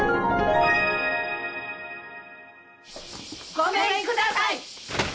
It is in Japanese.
・ごめんください！